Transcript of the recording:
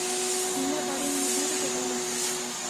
Миңә варенье бирегеҙ әле.